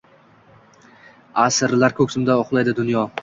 Asrlar ko’ksimda uxladi dunyo?!